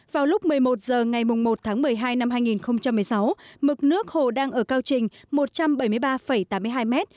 vào lúc một mươi một h ngày một tháng một mươi hai năm hai nghìn một mươi sáu mực nước hồ đang ở cao trình một trăm bảy mươi ba tám mươi hai m